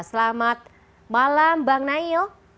selamat malam bang nail